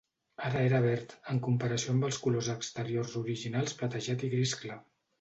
Ara era verd, en comparació amb els colors exteriors originals platejat i gris clar.